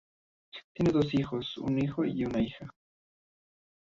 Tiene dos hijos, un hijo y una hija.